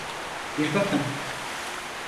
Bir bakın.